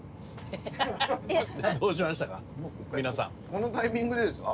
このタイミングでですか？